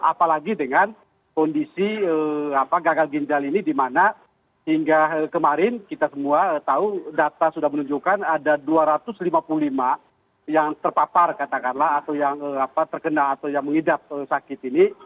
apalagi dengan kondisi gagal ginjal ini di mana hingga kemarin kita semua tahu data sudah menunjukkan ada dua ratus lima puluh lima yang terpapar katakanlah atau yang terkena atau yang mengidap sakit ini